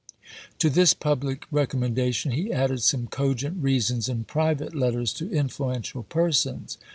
To this public recommendation he added some cogent reasons in private letters to influential per sons.